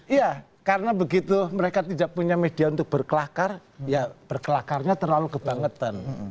iya karena begitu mereka tidak punya media untuk berkelakar ya berkelakarnya terlalu kebangetan